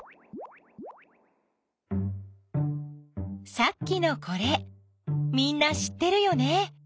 さっきのこれみんな知ってるよね。